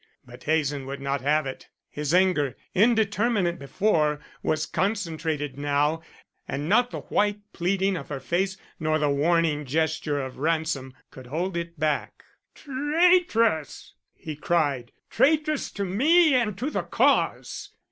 But Hazen would not have it. His anger, indeterminate before, was concentrated now, and not the white pleading of her face, nor the warning gesture of Ransom, could hold it back. "Traitress!" he cried, "traitress to me and to the Cause.